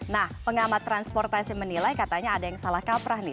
nah pengamat transportasi menilai katanya ada yang salah kaprah nih